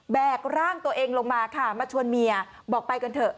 กร่างตัวเองลงมาค่ะมาชวนเมียบอกไปกันเถอะ